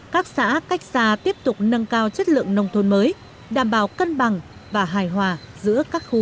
các xã cách xa tiếp tục nâng cao chất lượng nông thôn mới đảm bảo cân bằng và hài hòa giữa các khu